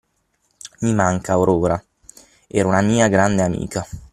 Mi manca Aurora, era una mia grande amica.